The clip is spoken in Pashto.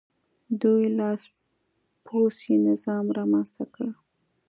دوی لاسپوڅی نظام رامنځته کړ.